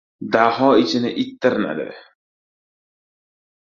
Daho ichini it tirnadi.